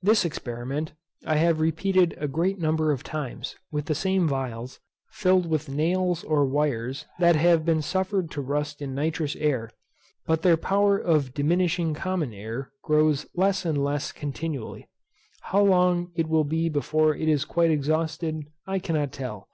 This experiment I have repeated a great number of times, with the same phials, filled with nails or wires that have been suffered to rust in nitrous air, but their power of diminishing common air grows less and less continually. How long it will be before it is quite exhausted I cannot tell.